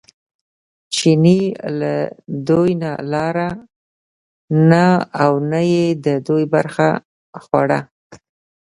چیني له دوی نه لاره نه او نه یې د دوی برخه خوړه.